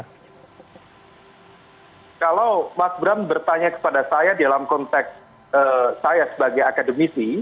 kalau mas bram bertanya kepada saya dalam konteks saya sebagai akademisi